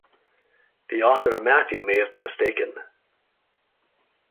The author of Matthew may have been mistaken.